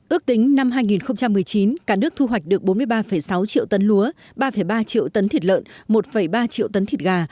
ước tính năm hai nghìn một mươi chín cả nước thu hoạch được bốn mươi ba sáu triệu tấn lúa ba ba triệu tấn thịt lợn một ba triệu tấn thịt gà